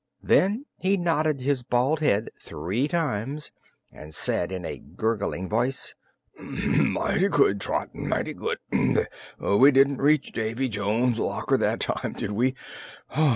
Then he nodded his bald head three times and said in a gurgling voice: "Mighty good, Trot; mighty good! We didn't reach Davy Jones's locker that time, did we?